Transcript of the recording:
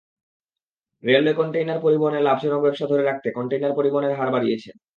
Railway container পরিবহনের লাভজনক ব্যবসা ধরে রাখতে কনটেইনার পরিবহনের হার বাড়িয়েছে।